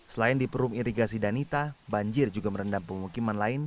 selain di perum irigasi danita banjir juga merendam pemukiman lain